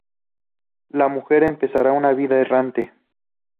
La mujer empezará una vida errante…